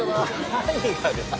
何がですか。